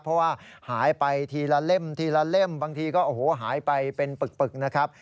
เพราะว่าหายไปทีละเล่มทีละเล่มบางทีก็โอ้โหหายไปเป็นปึกนะครับ